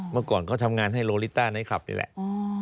เมื่อก่อนเขาทำงานให้โลลิต้าในคลับนี่แหละ